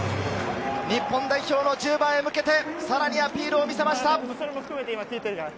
日本代表の１０番へ向けて、さらにアピールを見せました。